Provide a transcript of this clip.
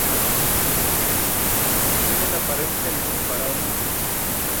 Tiene la apariencia de un faraón egipcio.